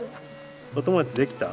お友達できた？